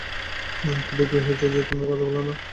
তোমাদের কী হয়েছে যে তোমরা কথা বলনা?